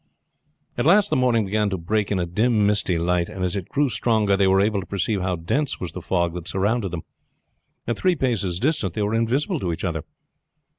At last the morning began to break in a dim misty light, and as it grew stronger they were able to perceive how dense was the fog that surrounded them. At three paces distant they were invisible to each other.